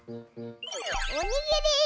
おにぎり！